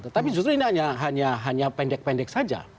tetapi justru ini hanya pendek pendek saja